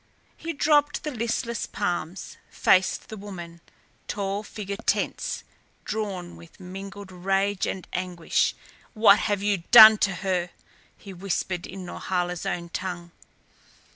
He dropped the listless palms, faced the woman, tall figure tense, drawn with mingled rage and anguish. "What have you done to her?" he whispered in Norhala's own tongue.